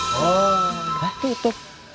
oh berarti itu